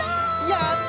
やった！